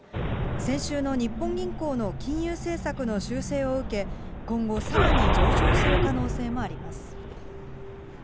先週の日本銀行の金融政策の修正を受け、今後、さらに上昇する可能性もあります。